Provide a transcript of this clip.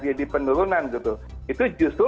jadi penurunan gitu itu justru